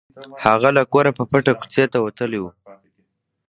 هغه له کوره په پټه کوڅې ته وتلی و